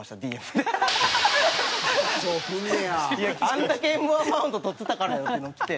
「あんだけＭ−１マウント取ってたからやろ」っていうのがきて。